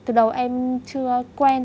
từ đầu em chưa quen